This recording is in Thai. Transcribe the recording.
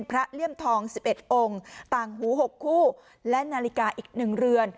เลี่ยมทอง๑๑องค์ต่างหู๖คู่และนาฬิกาอีก๑เรือน